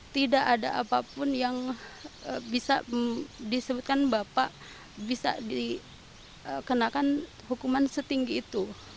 tidak ada apapun yang bisa disebutkan bapak bisa dikenakan hukuman setinggi itu